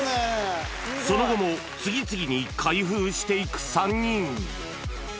その後も次々に開封していく３人。